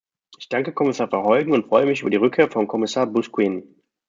Ich danke Kommissar Verheugen und freue mich über die Rückkehr von Kommissar Busquin.